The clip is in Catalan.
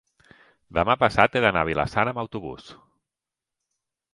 demà passat he d'anar a Vila-sana amb autobús.